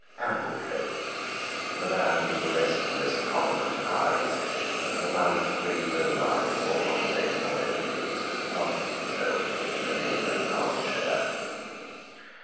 Amblecope, the man with the restless, prominent eyes and the mouth ready mobilised for conversational openings, had planted himself in a neighbouring arm chair.